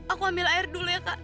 aku ambil air dulu ya kak